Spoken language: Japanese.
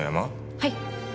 はい！